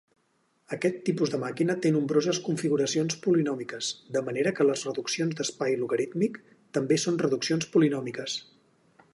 Aquest tipus de màquina té nombroses configuracions polinòmiques, de manera que les reduccions d'espai logarítmic també són reduccions polinòmiques.